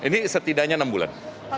ini setidaknya enam bulan